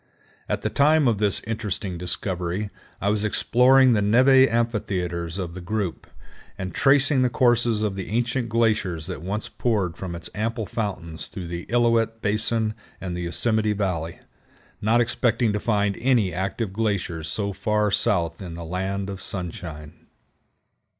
At the time of this interesting discovery I was exploring the névé amphitheaters of the group, and tracing the courses of the ancient glaciers that once poured from its ample fountains through the Illilouette Basin and the Yosemite Valley, not expecting to find any active glaciers so far south in the land of sunshine.